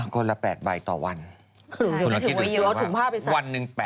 คนละ๘ใบต่อวันคุณหลังคิดดูสิว่าวันนึง๘บาท